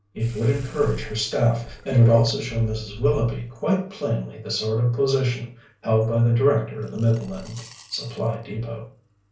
It would encourage her staff, and would also show Mrs. Willoughby quite plainly the sort of position held by the Director of the Midland Supply Depôt.